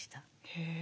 へえ。